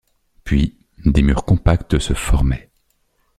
Puis, des murs compacts se formaient.